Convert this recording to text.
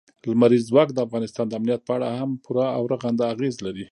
لمریز ځواک د افغانستان د امنیت په اړه هم پوره او رغنده اغېز لري.